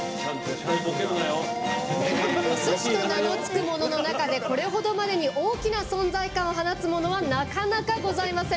寿司と名の付くものでこれほどまでに大きな存在感を放つものはなかなかございません。